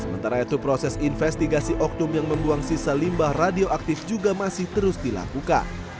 sementara itu proses investigasi oktum yang membuang sisa limbah radioaktif juga masih terus dilakukan